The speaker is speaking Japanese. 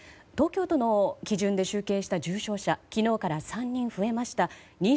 東京都の基準で集計した重症者昨日から３人増えました。